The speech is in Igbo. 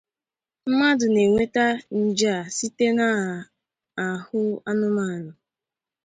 Mmadụ n'enweta nje a site n'ahụ anụmanụ.